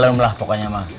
kalemlah pokoknya ma